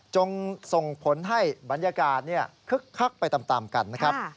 ส่งผลให้บรรยากาศคึกคักไปตามกันนะครับ